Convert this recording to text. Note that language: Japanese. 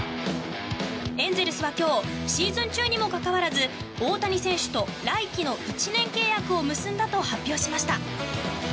エンゼルスは今日、シーズン中にもかかわらず大谷選手と来季の１年契約を結んだと発表しました。